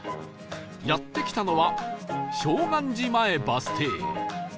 やって来たのは照願寺前バス停